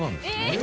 え！